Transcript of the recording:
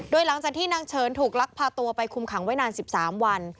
โดยหลังจากที่นางเฉินถูกลักพาตัวไปคุมขังไว้นาน๑๓วัน